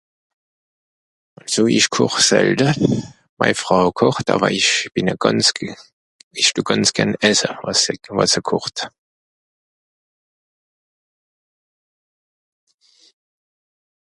Àlso ich koch selte, mai Frau kocht àwer ich bin e gànz guet, ich tue gànz gärn esse, wàs se kocht